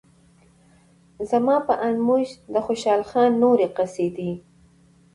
زما په اند موږ د خوشال خان نورې قصیدې